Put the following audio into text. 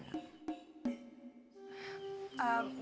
gak disuruh ngomong juga heran